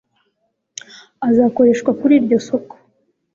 azakoreshwa kuri iryo soko